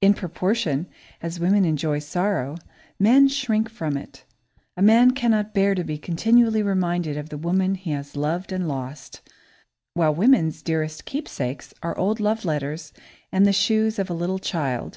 In proportion as women enjoy sorrow, men shrink from it. A man cannot bear to be continually reminded of the woman he has loved and lost, while woman's dearest keepsakes are old love letters and the shoes of a little child.